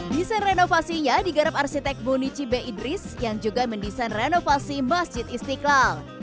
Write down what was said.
desain renovasinya digarap arsitek buni cibe idris yang juga mendesain renovasi masjid istiqlal